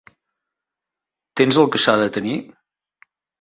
Tens el que s'ha de tenir?